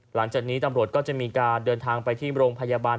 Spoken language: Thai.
หลังจากนี้ตำรวจก็จะมีการเดินทางไปที่โรงพยาบาล